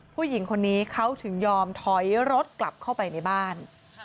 ผู้หญิงคนนี้เขาถึงยอมถอยรถกลับเข้าไปในบ้าน